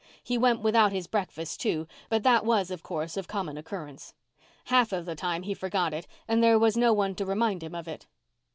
He went without his breakfast, too, but that was, of course, of common occurrence. Half of the time he forgot it and there was no one to remind him of it.